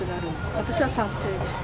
私は賛成です。